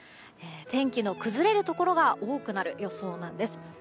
天気の崩れるところが多くなる予想なんです。